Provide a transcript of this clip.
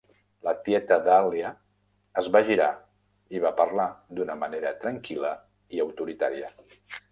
La tieta Dahlia es va girar i va parlar d'una manera tranquil·la i autoritària.